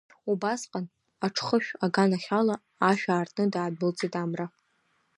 Убасҟан аҿхышә аганахь ала ашә аартны даадәылҵит Амра.